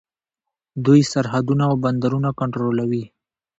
دوی سرحدونه او بندرونه کنټرولوي.